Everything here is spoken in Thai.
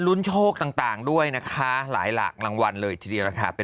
ลุ้นโชคต่างด้วยนะคะหลายหลักรางวัลเลยที่เดี๋ยวราคาเป็น